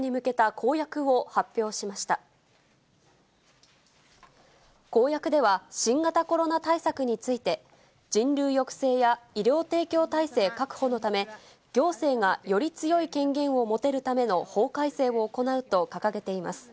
公約では、新型コロナ対策について、人流抑制や医療提供体制確保のため、行政がより強い権限を持てるための法改正を行うと掲げています。